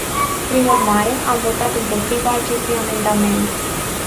Prin urmare, am votat împotriva acestui amendament.